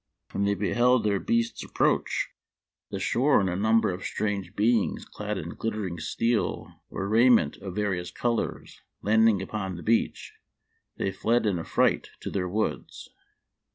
When they beheld their boats approach the 164 Memoir of Washington Irving. shore, and a number of strange beings clad in glittering steel, or raiment of various colors, landing upon the beach, they fled in affright to their woods.